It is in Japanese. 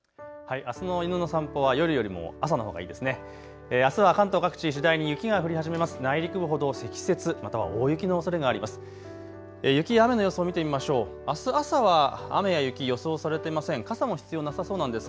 あすの犬の散歩は夜よりも朝のほうがいいですね。